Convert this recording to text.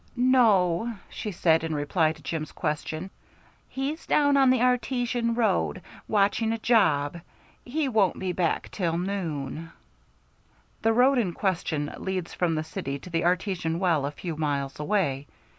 "No," she said in reply to Jim's question, "he's down on the artesian road watching a job. He won't be back till noon." The road in question leads from the city to the artesian well a few miles away.